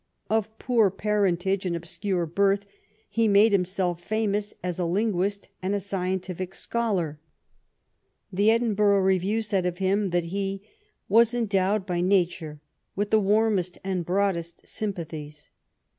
Of poor parentage and obscure birth, he made himself famous as a linguist and a scientific scholar. The " Edin burgh Review" said of him that he "was endowed by nature with the warmest and broadest sym pathies.